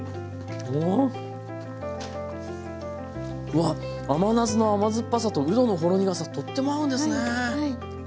うわっ甘夏の甘酸っぱさとうどのほろ苦さとっても合うんですね。